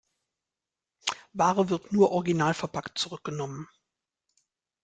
Ware wird nur originalverpackt zurückgenommen.